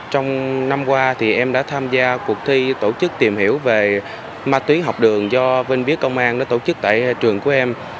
trong năm qua em đã tham gia cuộc thi tổ chức tìm hiểu về ma túy học đường do vinh biết công an tổ chức tại trường của em